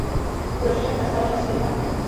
Proč však nastal čas jednat?